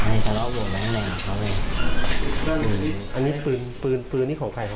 ในตลอดบทแหล่งแหล่งของเขาเลยอืมอันนี้ปืนปืนนี่ของใครค่ะ